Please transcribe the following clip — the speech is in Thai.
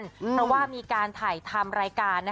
เพราะว่ามีการถ่ายทำรายการ